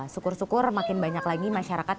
syukur syukur makin banyak lagi masyarakat